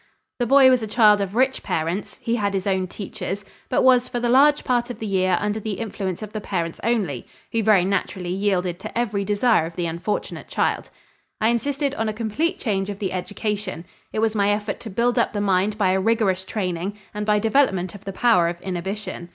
The boy was a child of rich parents; he had his own teachers, but was for a large part of the year under the influence of the parents only, who very naturally yielded to every desire of the unfortunate child. I insisted on a complete change of the education. It was my effort to build up the mind by a rigorous training and by development of the power of inhibition.